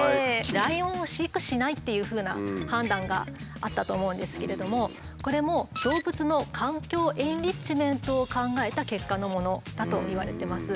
ライオンを飼育しないっていうふうな判断があったと思うんですけれどもこれも動物の環境エンリッチメントを考えた結果のものだといわれてます。